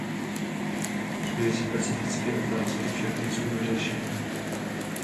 Dvě specifické otázky však nejsou vyřešeny.